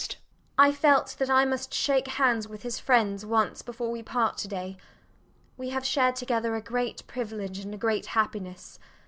MRS. DUBEDAT [coming to them] I felt that I must shake hands with his friends once before we part to day. We have shared together a great privilege and a great happiness.